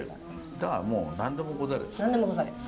だからもう何でもござれです。